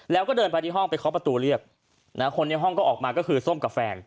แล้วก็เดินไปที่ห้องไปเคาะประตูเรียกคนในห้องก็ออกมาก็คือส้มกับแฟน